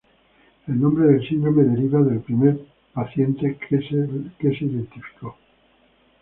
El nombre del síndrome deriva del primer paciente que se identificó.